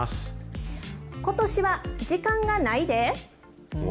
ことしは時間がないで！